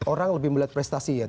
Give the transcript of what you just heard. orang lebih melihat prestasi ya